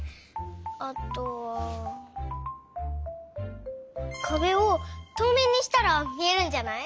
あとはかべをとうめいにしたらみえるんじゃない？